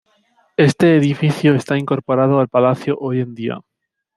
Este edificio está incorporado al Palacio hoy en día.